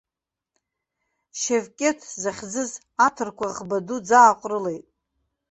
Шевкьеҭ захьӡыз аҭырқәа ӷба ду ӡааҟәрылеит.